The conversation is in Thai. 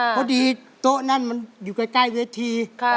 โต๊ะนั่นมันอยู่ใกล้เวที